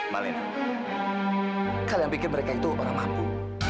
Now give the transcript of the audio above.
malena kalian bikin mereka itu orang mampu